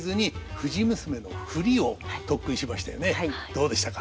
どうでしたか？